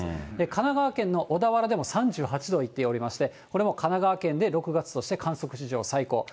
神奈川県の小田原でも３８度いっておりまして、これも神奈川県で６月として観測史上最高。